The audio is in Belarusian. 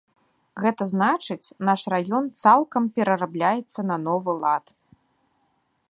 Гэта значыць, наш раён цалкам перарабляецца на новы лад.